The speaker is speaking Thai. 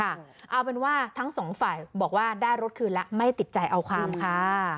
เอาเป็นว่าทั้งสองฝ่ายบอกว่าได้รถคืนแล้วไม่ติดใจเอาความค่ะ